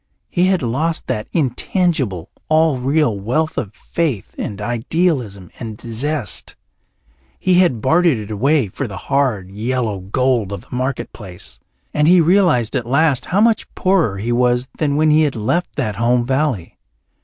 He had lost that intangible, all real wealth of faith and idealism and zest; he had bartered it away for the hard, yellow gold of the marketplace, and he realized at last how much poorer he was than when he had left that home valley.